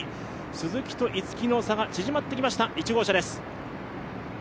鈴木と逸木の差が縮まってきました、１号車です。